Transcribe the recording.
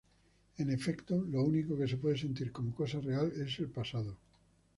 En efecto, lo único que se puede sentir como cosa real, es el pasado.